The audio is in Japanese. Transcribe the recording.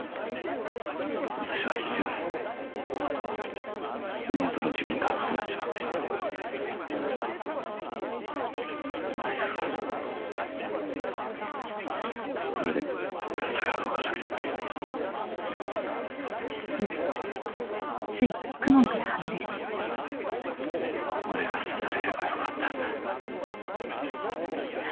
私は一瞬妹の事件がフラッシュバックしてナイフがそれで体が動かなくなってそう俺が刺されればよかったんだ何？